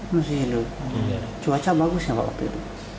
masih hidup cuaca bagus ya pak waktu itu